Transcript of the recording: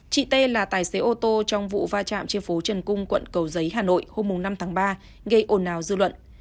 chị tê là tài xế ô tô trong vụ va chạm trên phố trần cung quận cầu giấy hà nội hôm năm tháng ba gây ồn ào dư luận